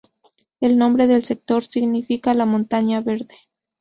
El nombre del sector significa "La montaña verde".